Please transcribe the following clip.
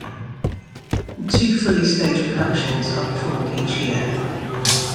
Two fully staged productions are performed each year.